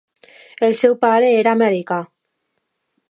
El seu pare era americà.